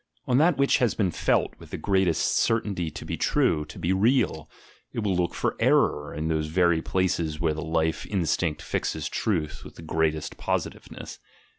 On that which has been felt with the greatest certainty to be true, to be real; it will look for error in those very places where the life instinct fixes truth with the greatest positiveness.